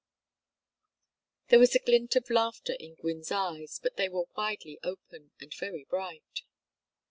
There was a glint of laughter in Gwynne's eyes, but they were widely open and very bright.